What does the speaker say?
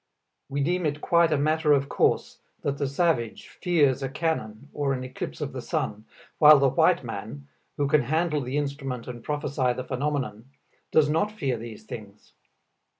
We deem it quite a matter of course that the savage fears a cannon or an eclipse of the sun, while the white man, who can handle the instrument and prophesy the phenomenon, does not fear these things.